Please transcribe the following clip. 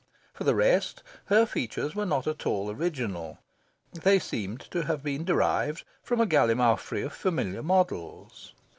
For the rest, her features were not at all original. They seemed to have been derived rather from a gallimaufry of familiar models.